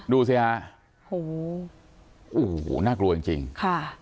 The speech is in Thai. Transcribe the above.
ดูสิฮะโหน่ากลัวจริงค่ะ